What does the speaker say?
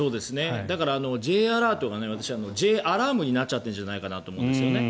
だからＪアラートが私、Ｊアラームになっているんじゃないかと思うんですよね。